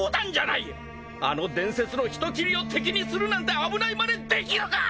あの伝説の人斬りを敵にするなんて危ないまねできるか！